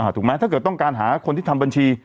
ถูกไหมถ้าเกิดต้องการหาคนที่ทำบัญชี